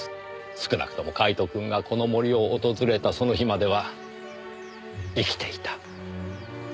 少なくともカイトくんがこの森を訪れたその日までは生きていた。